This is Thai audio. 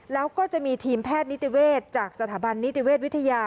แล้วก็จะมีทีมแพทย์นิติเวศจากสถาบันนิติเวชวิทยา